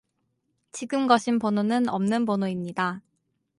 지금 거신 번호는 없는 번호입니다.